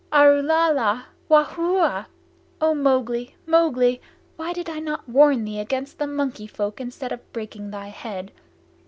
Arulala! Wahooa! O Mowgli, Mowgli! Why did I not warn thee against the Monkey Folk instead of breaking thy head?